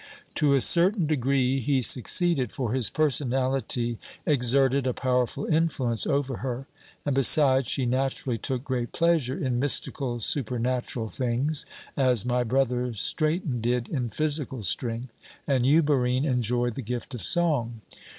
"To a certain degree he succeeded, for his personality exerted a powerful influence over her; and besides, she naturally took great pleasure in mystical, supernatural things, as my brother Straton did in physical strength, and you, Barine, enjoy the gift of song.